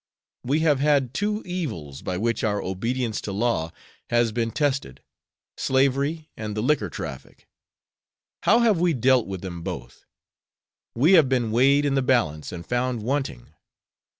We have had two evils by which our obedience to law has been tested slavery and the liquor traffic. How have we dealt with them both? We have been weighed in the balance and found wanting.